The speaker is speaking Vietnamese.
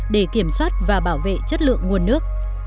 để kiểm soát và bảo vệ chất lượng nguồn nước